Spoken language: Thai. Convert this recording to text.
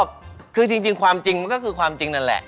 ก็คือจริงความจริงมันก็คือความจริงนั่นแหละ